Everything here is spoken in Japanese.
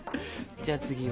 じゃあ次は。